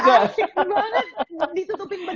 gak asik banget ditutupin